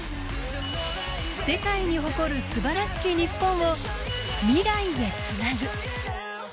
世界に誇るすばらしき日本を未来へつなぐ。